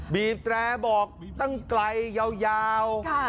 บีบแตรบอกตั้งไกลยาว